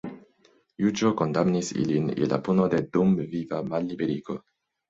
Juĝo kondamnis ilin je la puno de dumviva malliberigo.